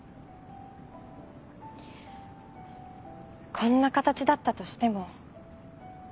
こんな形だったとしても。